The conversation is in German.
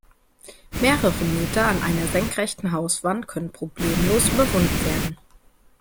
Mehrere Meter an einer senkrechten Hauswand können problemlos überwunden werden.